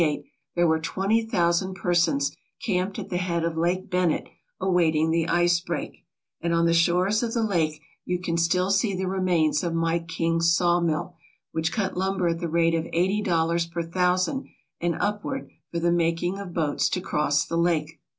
In the spring of 1898 there were twenty thousand persons camped at the head of Lake Bennett awaiting the ice break, and on the shores of the lake you can still see the remains of Mike King's sawmill, which cut lumber at the rate of eighty dollars per thousand and upward for the making of boats to cross the lake.